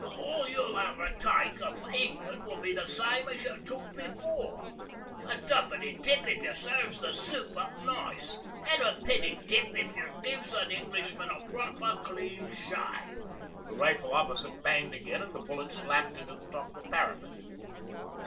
'But all you'll ever take of Englan' will be same as you took before a tuppenny tip if you serves the soup up nice, or a penny tip if you gives an Englishman a proper clean shave.' The rifle opposite banged again and the bullet slapped into the top of the parapet.